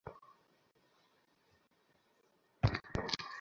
তিনি British ornithologists ইউনিয়নের সচিব হিসেবে দায়িত্ব পালন করেন।